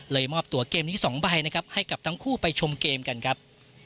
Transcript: มอบตัวเกมนี้๒ใบนะครับให้กับทั้งคู่ไปชมเกมกันครับ